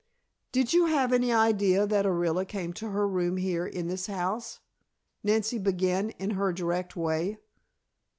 "Did you have any idea that Orilla came to her room here, in this house?" Nancy began in her direct way.